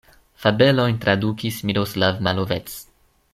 Fabelojn tradukis Miroslav Malovec.